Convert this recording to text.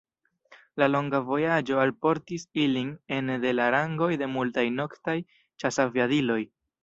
La longa vojaĝo alportis ilin ene de la rangoj de multaj noktaj ĉasaviadiloj.